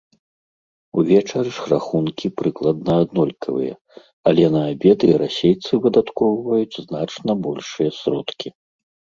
Увечары ж рахункі прыкладна аднолькавыя, але на абеды расейцы выдаткоўваюць значна большыя сродкі.